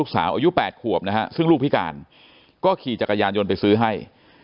ซึ่งลูกพิการก็ขี่จักรยานยนต์ไปซื้อให้